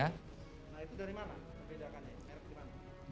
nah itu dari mana pembedakannya